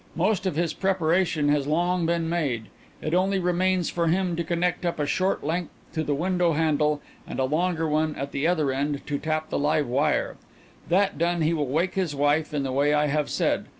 Most of his preparation has long been made; it only remains for him to connect up a short length to the window handle and a longer one at the other end to tap the live wire. That done, he will wake his wife in the way I have said.